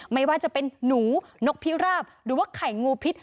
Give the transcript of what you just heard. ไม่ว่าจะเป็นหนูนกพิราบหรือว่าไข่งูพิษ